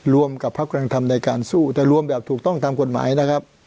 รวมกับพักกำลังทำในการสู้แต่รวมแบบถูกต้องตามกฎหมายนะครับ